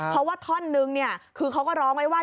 เพราะว่าท่อนนึงคือเขาก็ร้องไว้ว่า